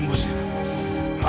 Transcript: aku harus bisa menembus